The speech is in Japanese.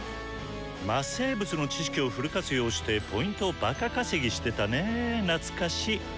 魔生物の知識をフル活用してＰをバカ稼ぎしてたねなつかし！